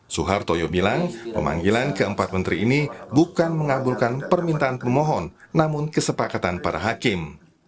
suhartoyo bilang pemanggilan keempat menteri ini bukan mengabulkan permintaan pemohon namun kesepakatan para hakim